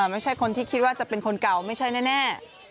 ไม่ใช่คนที่คิดว่าจะเป็นคนเก่าไม่ใช่แน่